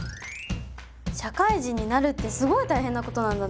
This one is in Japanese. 社会人になるってすごい大変なことなんだね。